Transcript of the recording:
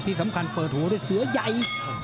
ที่สำคัญเปิดหูด้วยเสือใหญ่